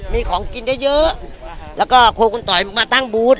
มีของกินเยอะเยอะแล้วก็ครัวคุณต่อยมาตั้งบูธ